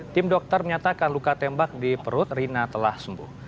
tim dokter menyatakan luka tembak di perut rina telah sembuh